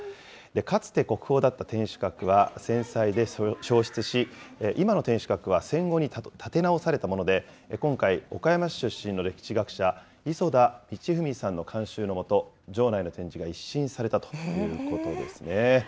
かつて国宝だった天守閣は、戦災で焼失し、今の天守閣は戦後に建て直されたもので、今回、岡山市出身の歴史学者、磯田道史さんの監修の下、城内の展示が一新されたということですね。